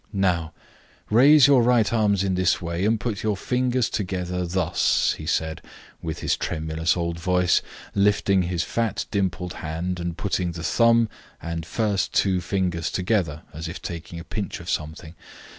"Now, raise your right arms in this way, and put your fingers together, thus," he said, with his tremulous old voice, lifting his fat, dimpled hand, and putting the thumb and two first fingers together, as if taking a pinch of something.